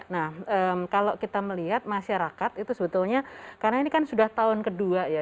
nah kalau kita melihat masyarakat itu sebetulnya karena ini kan sudah tahun kedua ya